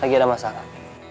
lagi ada masalah